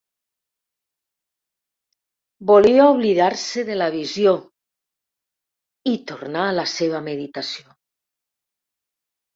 Volia oblidar-se de la visió i tornar a la seva meditació.